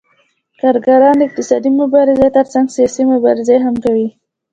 کارګران د اقتصادي مبارزې ترڅنګ سیاسي مبارزه هم کوي